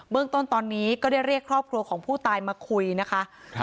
เรื่องต้นตอนนี้ก็ได้เรียกครอบครัวของผู้ตายมาคุยนะคะ